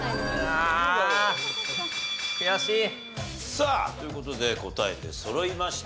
さあという事で答え出そろいました。